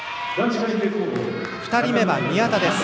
２人目は宮田です。